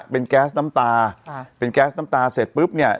เป็นแก๊สน้ำตาค่ะเป็นแก๊สน้ำตาเสร็จปุ๊บเนี่ย